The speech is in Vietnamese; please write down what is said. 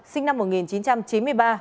sinh năm một nghìn chín trăm chín mươi ba